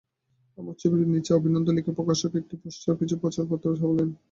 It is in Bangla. আমার ছবির নিচে অভিনন্দন লিখে প্রকাশক একটি পোস্টার এবং কিছু প্রচারপত্র ছাপালেন।